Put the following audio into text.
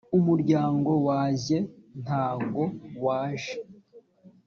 umuryango wajye ntago waje